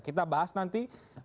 kita bahas nanti